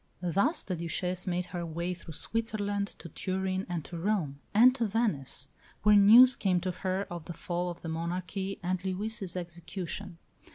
Thus the Duchesse made her way through Switzerland, to Turin, and to Rome, and to Venice, where news came to her of the fall ot the monarchy and Louis' execution.